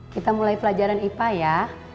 kita mulai pelajaran ipa ya